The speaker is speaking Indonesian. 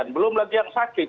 belum lagi yang sakit